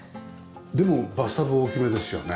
でもバスタブ大きめですよね。